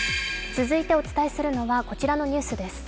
続いてお伝えするのはこちらのニュースです。